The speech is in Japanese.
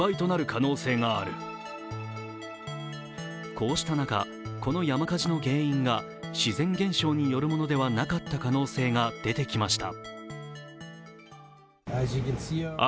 こうした中、この山火事の原因が自然現象によるものではなかった可能性が出てきました。